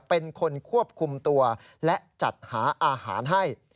เป็นคนควบคุมตัวและจัดหาอาหารให้